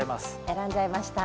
選んじゃいました。